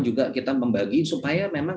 juga kita membagi supaya memang